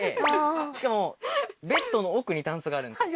しかもベッドの奥にタンスがあるんですよ。